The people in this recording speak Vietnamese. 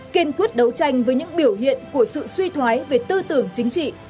kiên quyết đấu tranh với những biểu hiện của sự suy thoái về tư tưởng chính trị